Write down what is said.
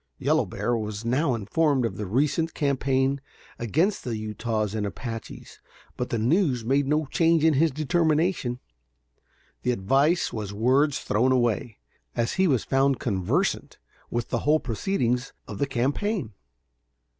Yellow Bear was now informed of the recent campaign against the Utahs and Apaches, but the news made no change in his determination. The advice was words thrown away, as he was found conversant with the whole proceedings of the campaign.